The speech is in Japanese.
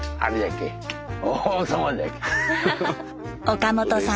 岡本さん